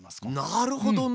なるほどね。